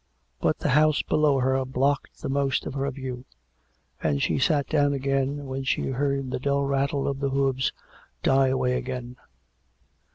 But the house below her blocked the most of her view; and she sat down again when she heard the dull rattle of the hoofs die away again.